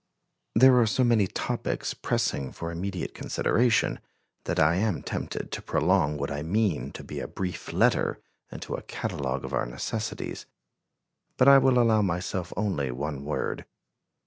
There are so many topics pressing for immediate consideration that I am tempted to prolong what I mean to be a brief letter into a catalogue of our necessities; but I will allow myself only one word.